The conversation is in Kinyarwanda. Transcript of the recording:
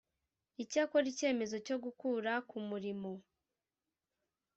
icyakora icyemezo cyo gukura ku murimo